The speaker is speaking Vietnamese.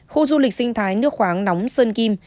khu du lịch sinh thái nước khoáng nóng sơn kim